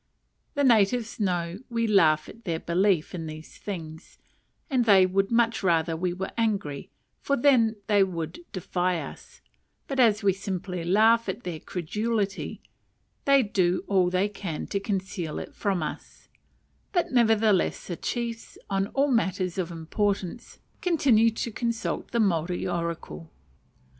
The natives know we laugh at their belief in these things, and they would much rather we were angry, for then they would defy us; but as we simply laugh at their credulity, they do all they can to conceal it from us: but nevertheless the chiefs, on all matters of importance, continue to consult the Maori oracle.